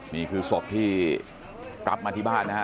นี่คือศพที่รับมาที่บ้านนะฮะ